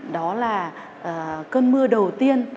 đó là cơn mưa đầu tiên